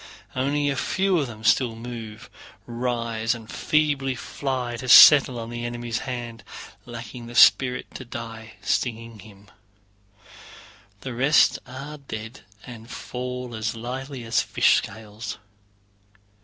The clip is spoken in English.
Only a few of them still move, rise, and feebly fly to settle on the enemy's hand, lacking the spirit to die stinging him; the rest are dead and fall as lightly as fish scales.